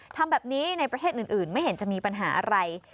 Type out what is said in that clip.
ทำแบบนี้ในประเทศอื่นไม่เห็นจะมีปัญหาอะไร